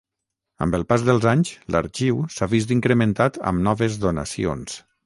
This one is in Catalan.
Amb el pas dels anys l'Arxiu s'ha vist incrementat amb noves donacions.